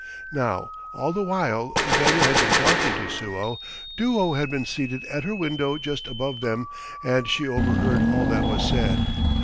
Now all the while the beggar had been talking to Suo, Duo had been seated at her window just above them, and she overheard all that was said.